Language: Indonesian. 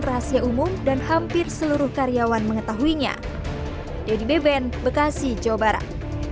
rahasia umum dan hampir seluruh karyawan mengetahuinya dedy beben bekasi jawa barat